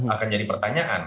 akan jadi pertanyaan